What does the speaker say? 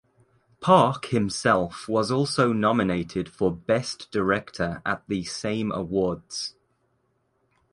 Park himself was also nominated for Best Director at the same awards.